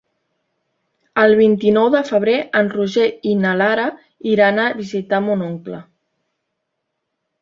El vint-i-nou de febrer en Roger i na Lara iran a visitar mon oncle.